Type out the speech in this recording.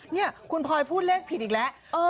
นี่คุณพลอยพูดเลขผิดอีกแล้ว